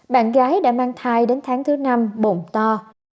bạn gái đã mang thai đến tháng thứ năm bộn to